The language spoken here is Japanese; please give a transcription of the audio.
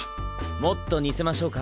もっと似せましょうか？